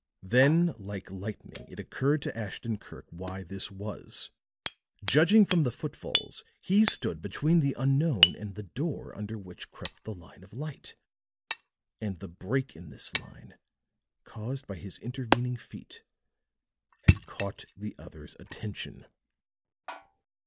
Then like lightning it occurred to Ashton Kirk why this was. Judging from the footfalls, he stood between the unknown and the door under which crept the line of light; and the break in this line, caused by his intervening feet, had caught the other's attention.